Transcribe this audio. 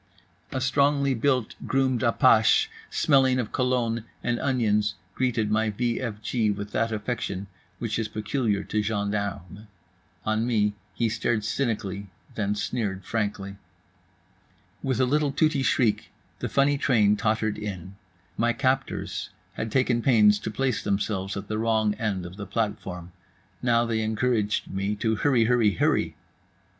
A strongly built, groomed apache smelling of cologne and onions greeted my v f g with that affection which is peculiar to gendarmes. On me he stared cynically, then sneered frankly. With a little tooty shriek the funny train tottered in. My captors had taken pains to place themselves at the wrong end of the platform. Now they encouraged me to HurryHurryHurry.